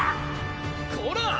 こら！